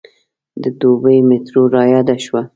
د دوبۍ میټرو رایاده شوه.